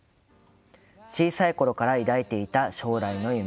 「小さいころから抱いていた将来の夢。